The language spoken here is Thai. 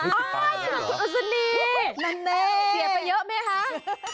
อ๋อคุณอุซานีเสียไปเยอะมั้ยคะ